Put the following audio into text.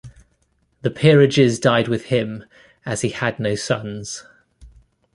The peerages died with him as he had no sons.